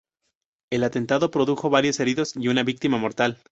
El atentado produjo varios heridos y una víctima mortal.